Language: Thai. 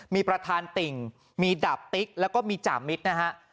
มีประธานติ่งมีดาบติ๊กแล้วก็มีจ่ามิตรนะฮะ